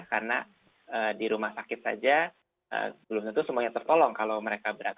karena di rumah sakit saja sebelumnya itu semuanya tertolong kalau mereka berat